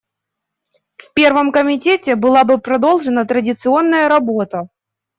В Первом комитете была бы продолжена традиционная работа.